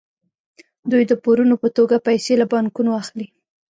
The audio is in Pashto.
دوی د پورونو په توګه پیسې له بانکونو اخلي